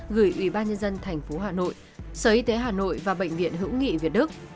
gửi ủy ban nhân dân thành phố hà nội sở y tế hà nội và bệnh viện hữu nghị việt đức